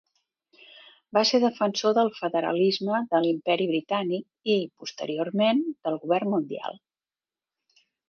Va ser defensor del federalisme de l'imperi Britànic i, posteriorment, del govern mundial.